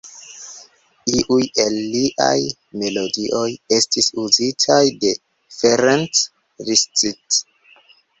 Iuj el liaj melodioj estis uzitaj de Ferenc Liszt.